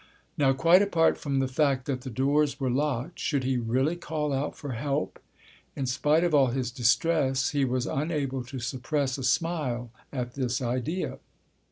Now, quite apart from the fact that the doors were locked, should he really call out for help? In spite of all his distress, he was unable to suppress a smile at this idea.